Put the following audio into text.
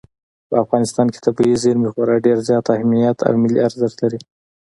په افغانستان کې طبیعي زیرمې خورا ډېر زیات اهمیت او ملي ارزښت لري.